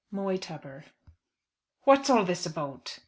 MOYTUBBER. "What's all this about?"